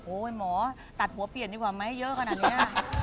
หมอตัดหัวเปลี่ยนดีกว่าไหมเยอะขนาดนี้